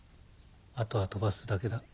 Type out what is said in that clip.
あとは飛ばすだけだ。